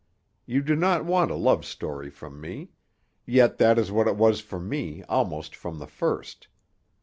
You do not want a love story from me; yet that is what it was for me almost from the first.